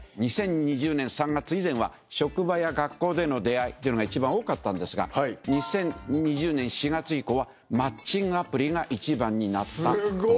２０２０年３月以前は職場や学校での出会いってのが一番多かったんですが２０２０年４月以降はマッチングアプリが１番になった。